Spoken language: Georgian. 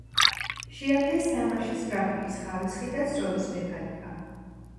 შეაქეს თამაშის გრაფიკის ხარისხი და სროლის მექანიკა.